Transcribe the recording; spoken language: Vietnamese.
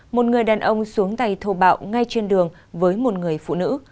một người đàn ông xuống tay thô bạo ngay trên đường với một người phụ nữ